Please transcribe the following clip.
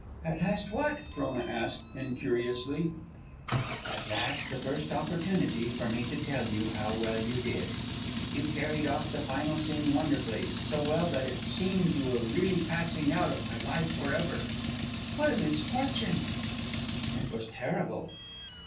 "At last what?" Frona asked, incuriously. "At last the first opportunity for me to tell you how well you did. You carried off the final scene wonderfully; so well that it seemed you were really passing out of my life forever." "What a misfortune!" "It was terrible."